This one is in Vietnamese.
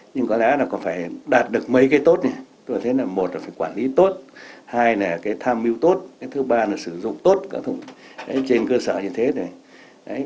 nhưng có lẽ là còn phải đạt được mấy cái tốt này tôi thấy là một là phải quản lý tốt hai là cái tham mưu tốt cái thứ ba là sử dụng tốt các trên cơ sở như thế này